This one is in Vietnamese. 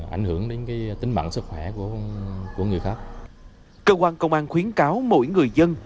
ảnh hưởng đến tính mạng sức khỏe của người khác cơ quan công an khuyến cáo mỗi người dân